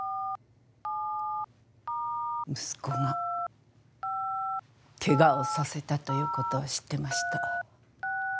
息子がけがをさせたということは知ってました。